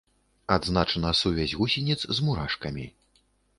Адзначана сувязь гусеніц з мурашкамі.